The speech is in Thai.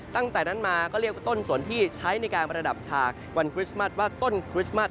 ตั้งแต่นั้นมาก็เรียกว่าต้นสนที่ใช้ในการประดับฉากวันคริสต์มัสว่าต้นคริสต์มัส